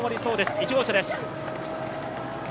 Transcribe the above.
１号車です。